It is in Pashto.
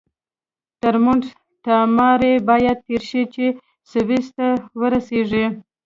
تر مونټ تاماري باید تېر شئ چې سویس ته ورسیږئ.